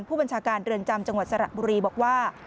ผู้บัญชาการเรือนจำจังหวัดสระบุรีบอกว่า